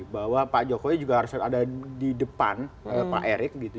bahwa pak jokowi juga harus ada di depan pak erik gitu